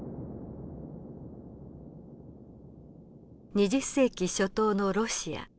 ２０世紀初頭のロシア。